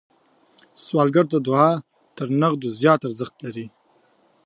سوالګر ته دعا تر نغدو زیات ارزښت لري